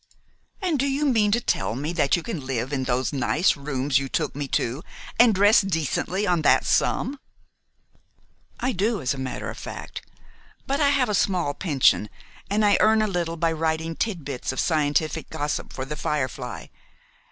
"And do you mean to tell me that you can live in those nice rooms you took me to, and dress decently on that sum?" "I do, as a matter of fact; but I have a small pension, and I earn a little by writing titbits of scientific gossip for 'The Firefly.'